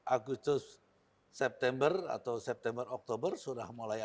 agustus september atau september oktober sudah mulai ada